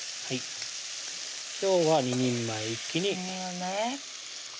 今日は２人前一気にいいよね